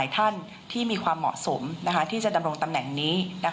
ท่านที่มีความเหมาะสมที่จะดำรงตำแหน่งนี้